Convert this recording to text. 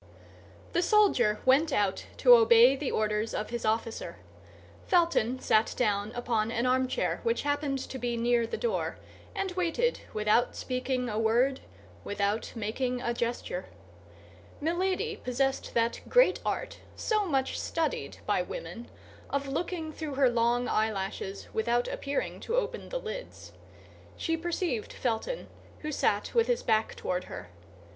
The soldier went out to obey the orders of his officer. Felton sat down upon an armchair which happened to be near the door, and waited without speaking a word, without making a gesture. Milady possessed that great art, so much studied by women, of looking through her long eyelashes without appearing to open the lids. She perceived Felton, who sat with his back toward her.